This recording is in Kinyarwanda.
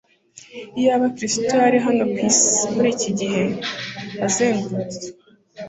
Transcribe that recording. Iyaba Kristo yari hano ku isi muri iki gihe, azengumtswe